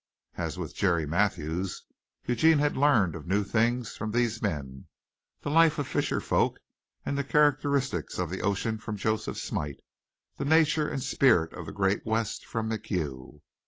As with Jerry Mathews, Eugene had learned of new things from these men the life of fisher folk, and the characteristics of the ocean from Joseph Smite; the nature and spirit of the great West from MacHugh.